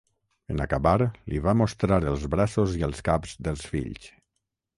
En acabar li va mostrar els braços i els caps dels fills.